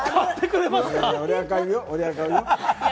俺が買うよ。